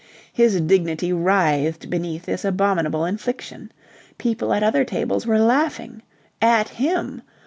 His dignity writhed beneath this abominable infliction. People at other tables were laughing. At him.